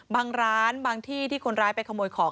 บางร้านบางที่ที่คนร้ายไปขโมยของ